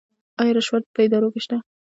آیا رشوت په ادارو کې شته؟